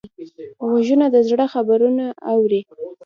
غوږونه د زړه خبرونه اوري